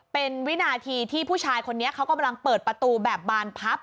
เป็นวินาทีที่ผู้ชายคนนี้เขากำลังเปิดประตูแบบบานพับ